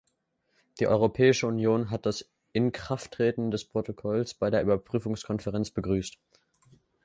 Die Europäische Union hat das Inkrafttreten des Protokolls bei der Überprüfungskonferenz begrüßt.